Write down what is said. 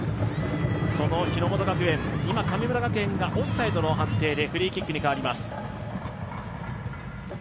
その日ノ本学園神村学園がオフサイドの判定でフリーキックに変わります。